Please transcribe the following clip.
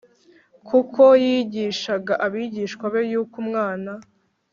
kuko yigishaga abigishwa be yuko Umwana